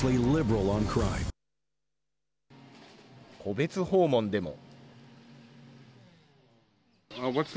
戸別訪問でも。